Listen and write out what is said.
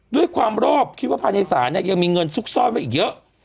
ด้วยความรอบคิดว่าภายในศาลเนี่ยยังมีเงินซุกซ่อนไว้อีกเยอะ